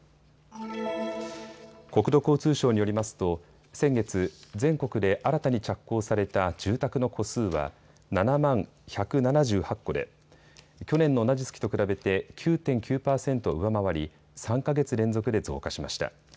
国土交通省によりますと先月、全国で新たに着工された住宅の戸数は７万１７８戸で去年の同じ月と比べて９．９％上回り３か月連続で増加しました。